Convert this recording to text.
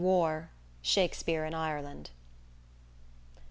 WAR. SHAKSPERE IN IRELAND.